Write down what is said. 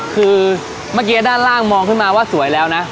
คือเมื่อกี้ด้านล่างมองขึ้นมาว่าสวยแล้วนะ